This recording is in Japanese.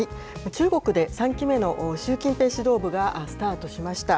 中国で３期目の習近平指導部がスタートしました。